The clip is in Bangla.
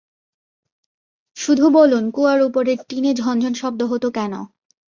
শুধু বলুন-কুয়ার ওপরের টিনে ঝন ঝন শব্দ হত কেন?